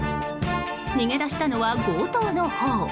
逃げ出したのは強盗のほう。